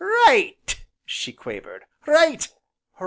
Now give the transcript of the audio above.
"Right!" she quavered, "right!